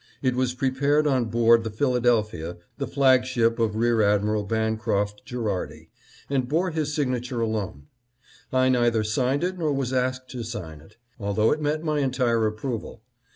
It was prepared on board the Phil adelphia, the flagship of Rear Admiral Bancroft Gher ardi, and bore his signature alone. I neither signed it nor was asked to sign it, although it met my entire approval.